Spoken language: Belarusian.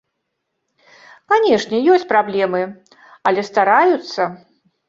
Канешне, ёсць праблемы, але стараюцца.